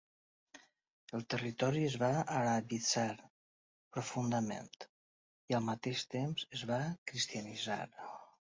El territori es va arabitzar profundament i al mateix temps es va cristianitzar.